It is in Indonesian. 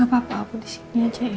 gak apa apa aku di sini aja ya